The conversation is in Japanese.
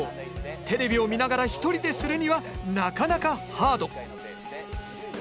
テレビを見ながら１人でするにはなかなかハード。